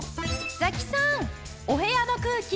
ザキさんお部屋の空気